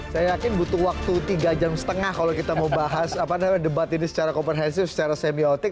saya yakin butuh waktu tiga jam setengah kalau kita mau bahas debat ini secara komprehensif secara semiotik